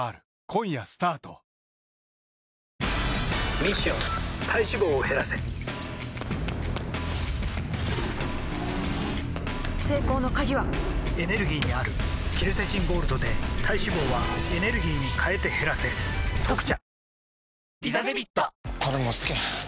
ミッション体脂肪を減らせ成功の鍵はエネルギーにあるケルセチンゴールドで体脂肪はエネルギーに変えて減らせ「特茶」